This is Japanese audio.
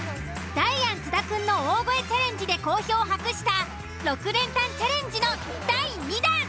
ダイアン津田くんの大声チャレンジで好評を博した６連単チャレンジの第２弾。